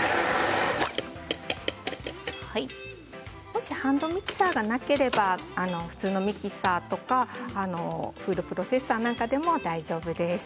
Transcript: もしハンドミキサーがなければ普通のミキサーとかフードプロセッサーなどでも大丈夫です。